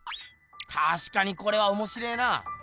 たしかにこれはおもしれえな。